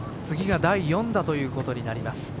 次が第４打ということになります。